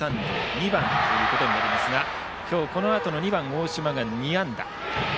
２番ということになりますがこのあとの２番、大島が２安打。